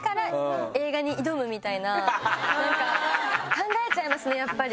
考えちゃいますねやっぱり。